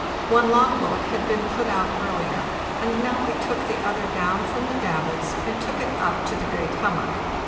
One long boat had been put out earlier, and now we took the other down from the davits and took it up to the great hummock.